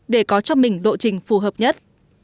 để có cho mình độ trình phù hợp nhất